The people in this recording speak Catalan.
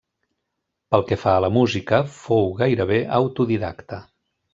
Pel que fa a la música, fou gairebé autodidacta.